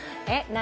何？